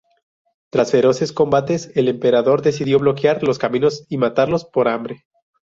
Tras feroces combates, el emperador decidió bloquear los caminos y matarlos por hambre.